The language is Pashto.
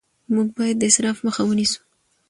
موږ باید د اسراف مخه ونیسو